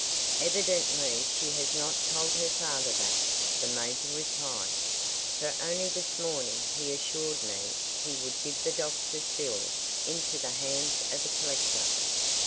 "Evidently she has not told her father that," the major replied, "for only this morning he assured me he would give the doctor's bill into the hands of a collector."